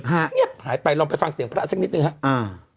หายไปลองไปฟังเสียงพระสักนิดหนึ่งฮะ